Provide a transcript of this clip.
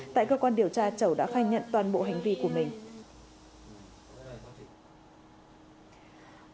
tại cơ quan điều tra chẩu đã khai nhận toàn bộ hành vi của mình